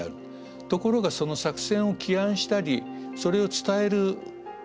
ところがその作戦を起案したりそれを伝える部署は軍令部である。